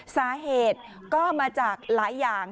สาเหตุก็มาจากหลายอย่าง